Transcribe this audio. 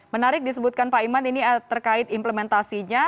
menarik disebutkan pak iman ini terkait implementasinya